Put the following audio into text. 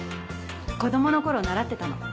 子供の頃習ってたの。